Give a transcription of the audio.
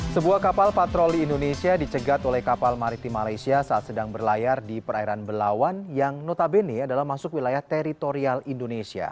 sebuah kapal patroli indonesia dicegat oleh kapal maritim malaysia saat sedang berlayar di perairan belawan yang notabene adalah masuk wilayah teritorial indonesia